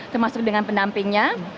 termasuk dengan pendampingnya